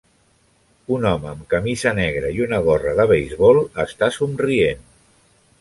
Un home amb camisa negra i una gorra de beisbol està somrient.